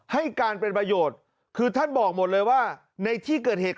ให้การเป็นประโยชน์คือท่านบอกหมดเลยว่าในที่เกิดเหตุ